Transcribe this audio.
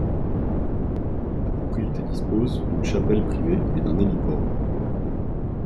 La propriété dispose d’une chapelle privée et d’un héliport.